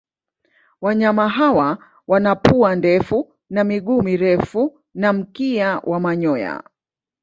Wanyama hawa wana pua ndefu na miguu mirefu na mkia wa manyoya.